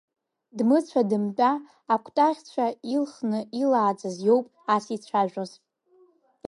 Дмыцәа-дымтәа акәтаӷьцәа илхны илааӡаз иоуп ас ицәажәоз.